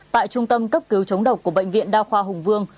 tại trung tâm cấp cứu chống độc của bệnh viện đa khoa hùng vương